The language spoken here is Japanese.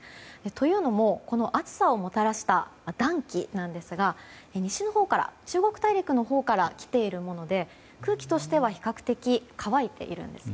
というのもこの暑さをもたらした暖気なんですが西日本から、中国大陸のほうから来ているもので空気としては比較的乾いています。